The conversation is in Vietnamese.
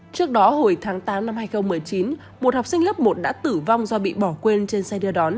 trước đó hồi tháng tám năm hai nghìn một mươi chín một học sinh lớp một đã tử vong do bị bỏ quên trên xe đưa đón